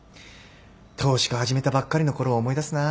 投資家始めたばっかりのころを思い出すなぁ。